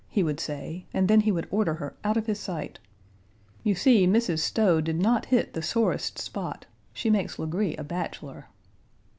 he would say, and then he would order her out of his sight. You see Mrs. Stowe did not hit the sorest spot. She makes Legree a bachelor."